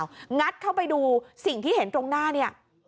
งัดเข้าไปดูสิ่งที่เห็นตรงหน้าเนี่ย